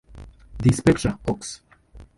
"The Spectra Hoax".